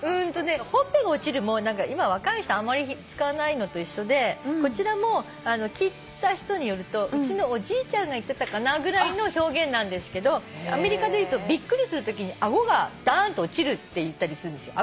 「ほっぺが落ちる」も何か今若い人あまり使わないのと一緒でこちらも聞いた人によると「うちのおじいちゃんが言ってたかな」ぐらいの表現なんですけどアメリカでいうとびっくりするときに「あごがダーンと落ちる」って言ったりするんですよ。